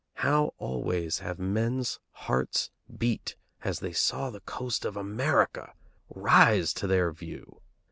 How always have men's hearts beat as they saw the coast of America rise to their view!